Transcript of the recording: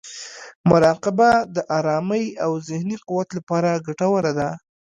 مراقبه د ارامۍ او ذهني قوت لپاره ګټوره ده.